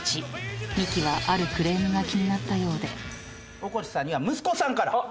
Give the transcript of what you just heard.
大河内さんには息子さんから。